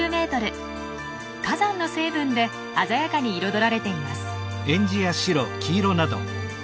火山の成分で鮮やかに彩られています。